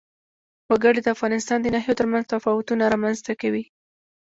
وګړي د افغانستان د ناحیو ترمنځ تفاوتونه رامنځ ته کوي.